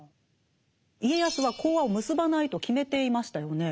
家康は講和を結ばないと決めていましたよね。